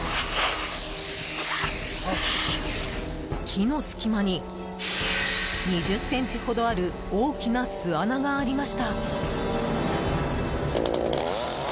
木の隙間に、２０ｃｍほどある大きな巣穴がありました。